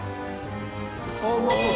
ああうまそう。